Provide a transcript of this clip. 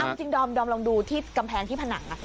เอาจริงดอมลองดูที่กำแพงที่ผนัง